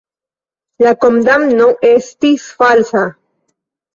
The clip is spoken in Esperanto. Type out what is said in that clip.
La kondamno estis falsa.